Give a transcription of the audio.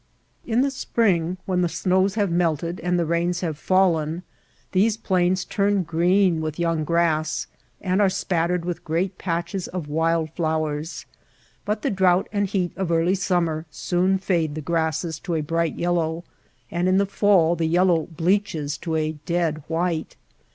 In the spring, when the snows have melted and the rains have fallen, these plains turn green with young grass and are spattered with great patches of wild flowers; but the drouth and heat of early summer soon fade the grasses to a bright yellow, and in the fall the yellow bleaches to a dead white.